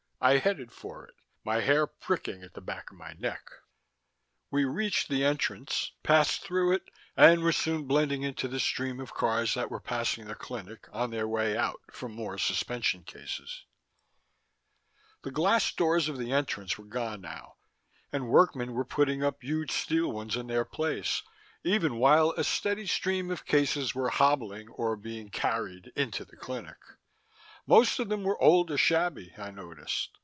I headed for it, my hair prickling at the back of my neck. We reached the entrance, passed through it, and were soon blending into the stream of cars that were passing the clinic on their way out for more suspension cases. The glass doors of the entrance were gone now, and workmen were putting up huge steel ones in their place, even while a steady stream of cases were hobbling or being carried into the clinic. Most of them were old or shabby, I noticed.